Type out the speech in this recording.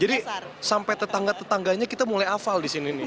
jadi sampai tetangga tetangganya kita mulai hafal di sini nih